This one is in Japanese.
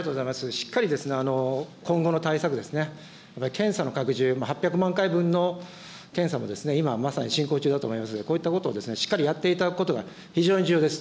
しっかり、今後の対策、やっぱり検査の拡充、８００万回分の検査も今、まさに進行中だと思いますが、こういったことをしっかりやっていただくことが非常に重要です。